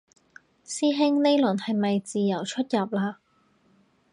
師兄呢輪係咪自由出入嘞